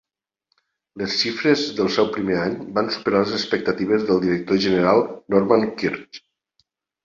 Les xifres del seu primer any van superar les expectatives del director general Norman Quirk.